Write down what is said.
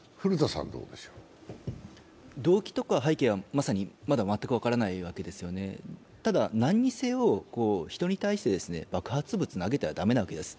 動機とか背景はまだ全く分からないわけですね、ただ何にせよ、人に対して爆発物を投げては駄目なわけです。